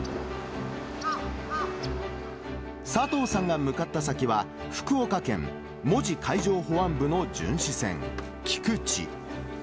佐藤さんが向かった先は、福岡県門司海上保安部の巡視船きくち。